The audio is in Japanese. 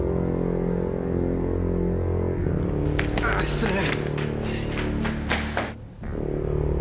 失礼！